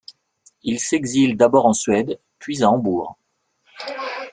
Il s'exile d'abord en Suède, puis à Hambourg.